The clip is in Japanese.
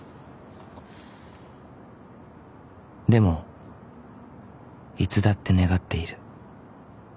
［でもいつだって願っている］